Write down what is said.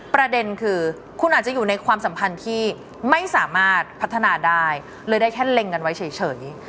ประเด็นคือคุณอาจจะอยู่ในความสัมพันธ์ที่ไม่สามารถพัฒนาได้เลยได้แค่เล็งกันไว้เฉย